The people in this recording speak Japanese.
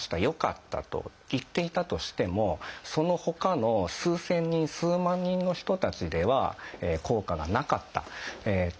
よかった」と言っていたとしてもそのほかの数千人数万人の人たちでは効果がなかったという可能性もありえる。